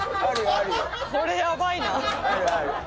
これやばいな。